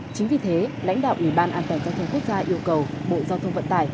chính vì thế lãnh đạo ủy ban an toàn giao thông quốc gia yêu cầu bộ giao thông vận tải